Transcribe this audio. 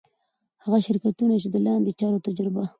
هغه شرکتونه چي د لاندي چارو تجربه